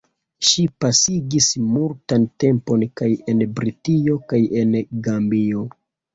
Ŝi pasigis multan tempon kaj en Britio kaj en Gambio.